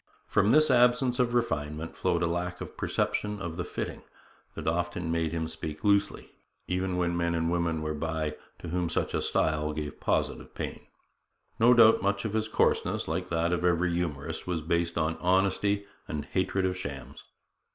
From this absence of refinement flowed a lack of perception of the fitting that often made him speak loosely, even when men and women were by to whom such a style gave positive pain. No doubt much of his coarseness, like that of every humorist, was based on honesty and hatred of shams.